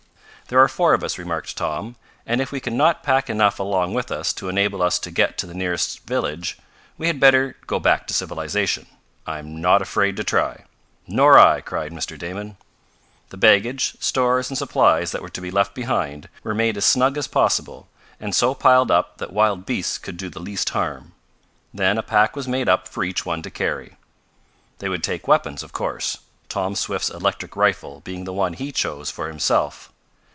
"There are four of us," remarked Tom, "and if we can not pack enough along with us to enable us to get to the nearest village, we had better go back to civilization. I'm not afraid to try." "Nor I!" cried Mr. Damon. The baggage, stores and supplies that were to be left behind were made as snug as possible, and so piled up that wild beasts could do the least harm. Then a pack was made up for each one to carry. They would take weapons, of course, Tom Swift's electric rifle being the one he choose for himself.